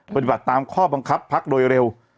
ปฏิบัติตามข้อบังคับพลักษณ์การเมืองโดยเร็ว